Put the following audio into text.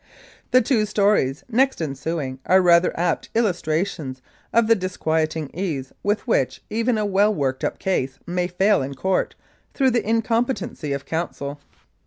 The two stories next ensuing are rather apt illustra tions of the disquieting ease with which even a well worked up case may fail in court through the incompetency of counsel.